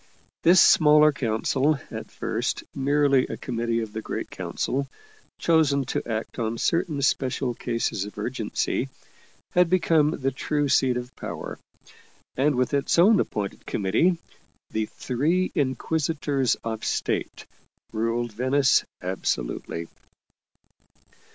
This smaller council, at first merely a com mittee of the Great Council, chosen to act on certain special cases of urgency, had become the true seat of power, and with its own appointed committee, the Three Inquisitors of State, ruled Venice absolutely.